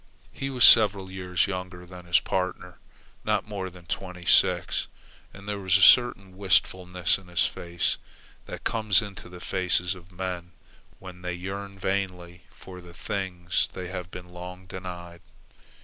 He was several years younger than his partner, not more than twenty six, and there was a certain wistfulness in his face that comes into the faces of men when they yearn vainly for the things they have been long denied.